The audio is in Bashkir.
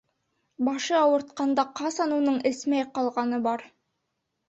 Башы ауыртҡанда ҡасан уның эсмәй ҡалғаны бар?